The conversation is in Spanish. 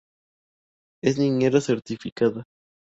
Es niñera certificada.